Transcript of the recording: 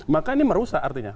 maka ini merusak artinya